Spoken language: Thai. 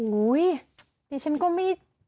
อุ้ยเรียกฉันไปก่อนหน่อย